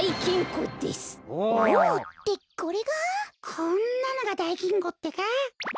こんなのがだいきんこってか？